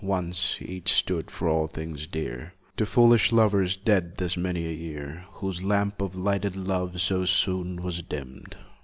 Once, each stood for all things dear To foolish lovers, dead this many a year, Whose lamp of lighted love so soon was dimmed.